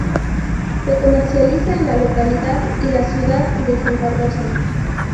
Se comercializa en la localidad y la ciudad de Santa Rosa.